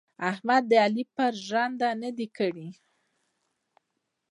احمد د علي پر ژنده نه دي کړي.